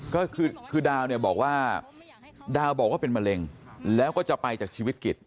ก็คือดาวน์บอกว่าเป็นมะเร็งแล้วก็จะไปจากชีวิตกิต